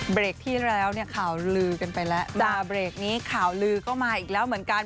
เบรกที่แล้วเนี่ยข่าวลือกันไปแล้วจ้าเบรกนี้ข่าวลือก็มาอีกแล้วเหมือนกัน